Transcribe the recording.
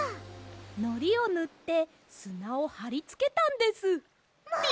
のりをぬってすなをはりつけたんです。